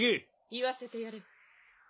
言わせてやれ。